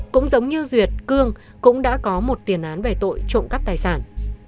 cũng giống như duyệt cương cũng đã có một tiền án về tội trộm cắp tài sản